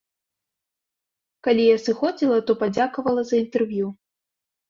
Калі я сыходзіла, то падзякавала за інтэрв'ю.